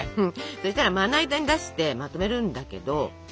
そしたらまな板に出してまとめるんだけど。